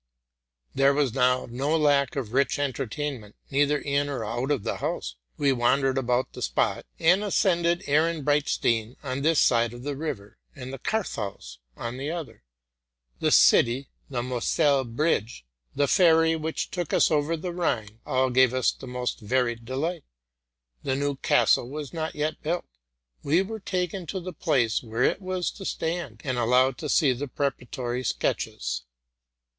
There was now no lack of rich entertainment, either in or out of the house. We wandered about the spot, and ascended 146 TRUTH AND FICTION Ehrenbreitstein on this side of the river, and the Carthaus on the other. The city, the Moselle bridge, the ferry which took us over the Rhine, all gave us the most varied delight. The new castle was not yet built: we were taken to the place where it was to stand, and allowed to see the preparatory sketches.